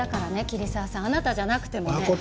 桐沢さんあなたじゃなくてもね。